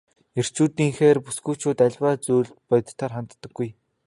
Эрчүүдийнхээр бүсгүйчүүд аливаа зүйлд бодитоор ханддаггүй.